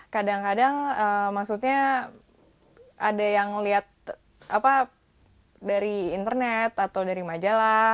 kadang kadang maksudnya ada yang lihat dari internet atau dari majalah